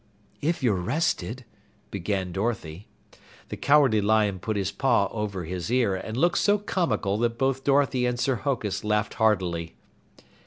"If you're rested," began Dorothy. The Cowardly Lion put his paw over his ear and looked so comical that both Dorothy and Sir Hokus laughed heartily.